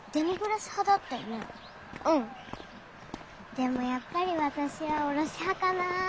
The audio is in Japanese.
でもやっぱり私はおろし派かな。